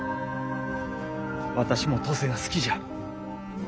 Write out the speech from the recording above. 私も登勢が好きじゃ。